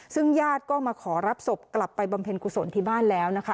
ซึ่งญาติก็มาขอรับศพกลับไปบำเพ็ญกุศลที่บ้านแล้วนะคะ